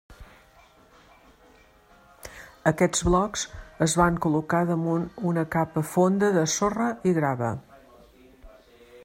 Aquests blocs es van col·locar damunt una capa fonda de sorra i grava.